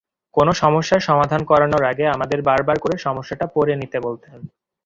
কোনো সমস্যার সমাধান করানোর আগে আমাদের বারবার করে সমস্যাটা পড়ে নিতে বলতেন।